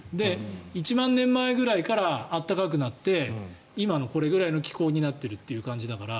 １万年前ぐらいから暖かくなって今のこれぐらいの気候になっているという感じだから。